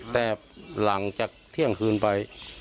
แต่หลังจากเที่ยงคืนไป